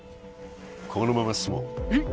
このまま進もうえっ？